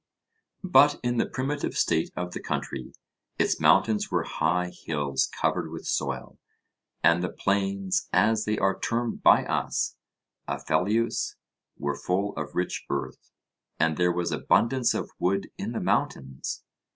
But in the primitive state of the country, its mountains were high hills covered with soil, and the plains, as they are termed by us, of Phelleus were full of rich earth, and there was abundance of wood in the mountains.